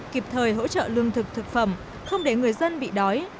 kịp thời hỗ trợ lương thực thực phẩm không để người dân bị đói